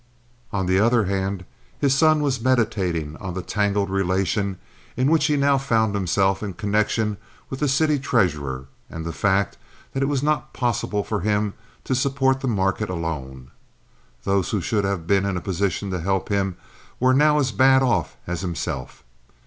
On the other hand, his son was meditating on the tangled relation in which he now found himself in connection with the city treasurer and the fact that it was not possible for him to support the market alone. Those who should have been in a position to help him were now as bad off as himself.